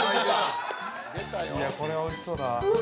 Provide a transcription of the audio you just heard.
◆これは、おいしそうだわ。